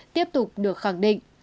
tiếp tục được khẳng định